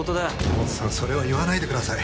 モツさんそれを言わないでください。